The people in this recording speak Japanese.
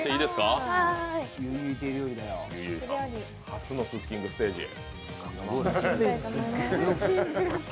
初のクッキングステージへ。